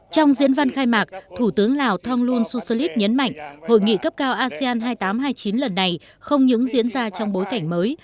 trong diễn văn khai mạc thủ tướng lào thonglun sulit nhấn mạnh hội nghị cấp cao asean hai nghìn tám trăm hai mươi chín lần này không những diễn ra trong bối cảnh mới